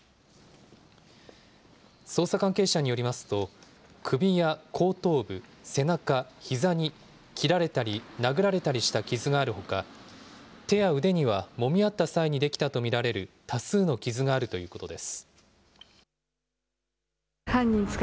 捜査関係者によりますと、首や後頭部、背中、ひざに切られたり殴られたりした傷があるほか、手や腕にはもみ合った際に出来たと見られる多数の傷があるということです。